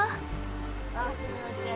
あすいません。